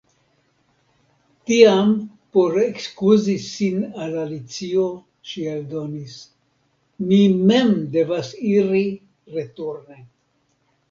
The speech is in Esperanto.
Tiam por ekskuzi sin al Alicio ŝi aldonis: "Mi mem devas iri returne. »